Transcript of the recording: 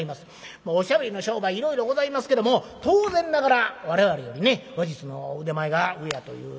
まあおしゃべりの商売いろいろございますけども当然ながら我々よりね話術の腕前が上やというお商売ございます。